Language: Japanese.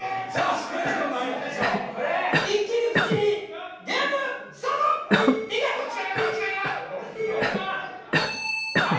それではまいりましょう一気に口にゲームスタートはいい